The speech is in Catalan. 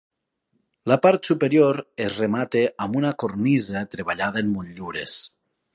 La part superior es remata amb una cornisa treballada en motllures.